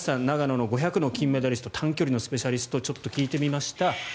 長野の５００ｍの金メダリスト短距離のスペシャリストにちょっと聞いてみました。